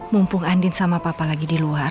mumpung andin sama papa lagi di luar